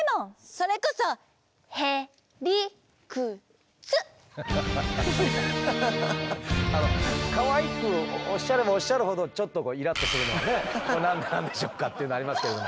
それこそあのかわいくおっしゃればおっしゃるほどちょっとこう何なんでしょうかというのはありますけれども。